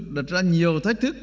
đặt ra nhiều thách thức